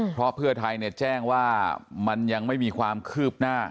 เพราะเพื่อไทยแจ้งว่ามันยังไม่มีความคืบหน้า